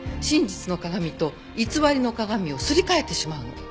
真実の鏡と偽りの鏡をすり替えてしまうの。